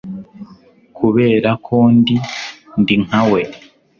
kubera ko ndi, ndi nkawe